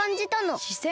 しせん？